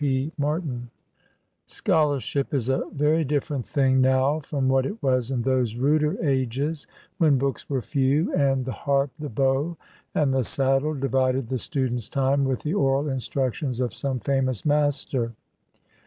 P. MARTIN Scholarship is a very different thing now from what it was in those ruder ages, when books were few, and the harp, the bow, and the saddle divided the student's time with the oral instructions of some famous master.